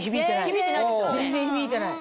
全然響いてない。